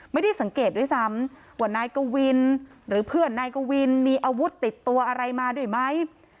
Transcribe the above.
ไม่ได้สังเกตด้วยซ้ำว่านายกวินหรือเพื่อนนายกวินมีอาวุธติดตัวอะไรมาด้วยไหม